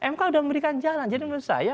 mk sudah memberikan jalan jadi menurut saya